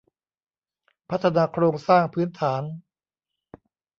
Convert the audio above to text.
พัฒนาโครงสร้างพื้นฐาน